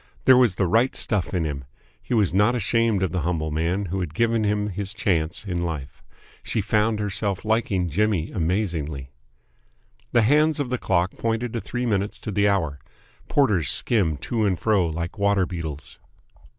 There was the right stuff in him. He was not ashamed of the humble man who had given him his chance in life. She found herself liking Jimmy amazingly ... The hands of the clock pointed to three minutes to the hour. Porters skimmed to and fro like water beetles.